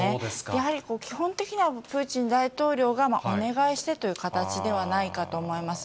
やはり基本的にはプーチン大統領がお願いしてという形ではないかと思います。